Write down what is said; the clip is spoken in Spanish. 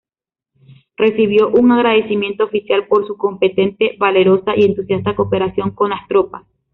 Recibió un agradecimiento oficial por ""su competente, valerosa y entusiasta cooperación"" con las tropas.